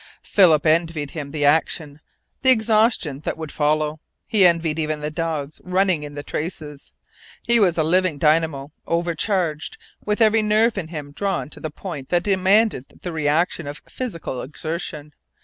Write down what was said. Philip envied him the action, the exhaustion that would follow. He envied even the dogs running in the traces. He was a living dynamo, overcharged, with every nerve in him drawn to the point that demanded the reaction of physical exertion.